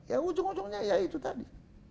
ya ujung ujungnya ya itu tadi